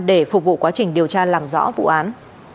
để phục vụ quá trình điều tra làm rõ vụ án